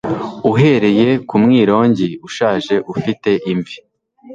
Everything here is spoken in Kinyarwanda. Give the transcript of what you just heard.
Uhereye ku mwironge ushaje ufite imvi